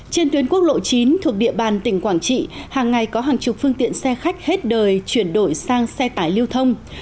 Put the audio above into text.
trên tuyến quốc lộ chín thuộc địa bàn tỉnh quảng trị hàng ngày có hàng chục phương tiện xe khách hết đời chuyển đổi sang xe tải lưu thông